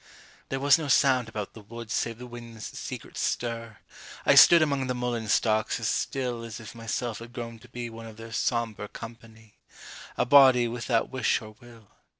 There was no sound about the wood Save the wind's secret stir. I stood Among the mullein stalks as still As if myself had grown to be One of their sombre company, A body without wish or will.